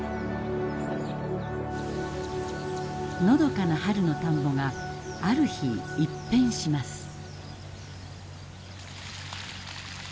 のどかな春の田んぼがある日一変します。